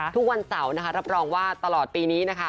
ทุกวันเสาร์รับรองว่าตลอดปีนี้